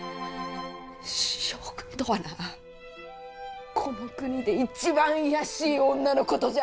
将軍とはなこの国で一番卑しい女のことじゃ！